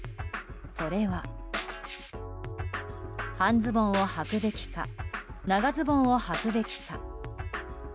それは、半ズボンをはくべきか長ズボンをはくべきか。